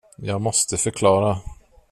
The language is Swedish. Jag måste förklara.